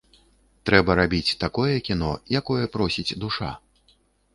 Трэба рабіць такое кіно, якое просіць душа.